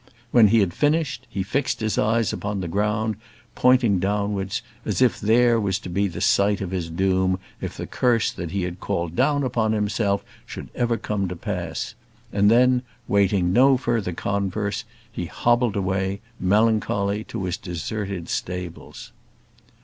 When he had finished, he fixed his eyes upon the ground, pointing downwards, as if there was to be the site of his doom if the curse that he had called down upon himself should ever come to pass; and then, waiting no further converse, he hobbled away, melancholy, to his deserted stables.